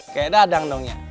kayak dadang dong ya